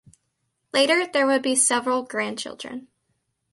Later there would be several grandchildren.